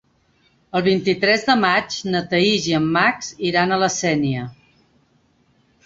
El vint-i-tres de maig na Thaís i en Max iran a la Sénia.